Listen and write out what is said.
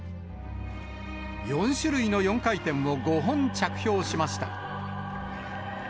４種類の４回転を５本着氷しました。